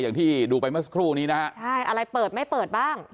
อย่างที่ดูไปเมื่อสักครู่นี้นะฮะใช่อะไรเปิดไม่เปิดบ้าง